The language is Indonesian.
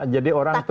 jadi orang itu